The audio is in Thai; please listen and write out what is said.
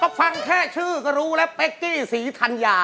ก็ฟังแค่ชื่อก็รู้แล้วเป๊กกี้ศรีธัญญา